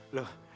ibu mau kemana